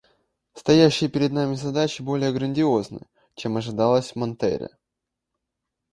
Стоящие перед нами задачи более грандиозны, чем ожидалось в Монтеррее.